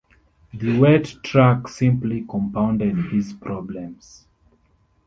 The wet track simply compounded his problems.